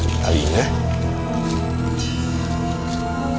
tidak ada yang bisa diberikan